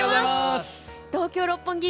東京・六本木